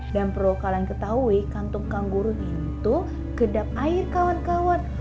dan perlu kalian ketahui kantung kang guru itu kedap air kawan kawan